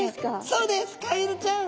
そうですカエルちゃん。